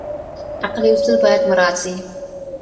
عقلي اصول باید مراعات سي.